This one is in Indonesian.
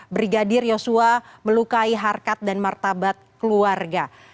brigadir yosua melukai harkat dan martabat keluarga